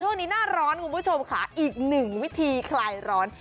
ช่วงนี้หน้าร้อนคุณผู้ชมค่ะอีกหนึ่งวิธีคลายร้อน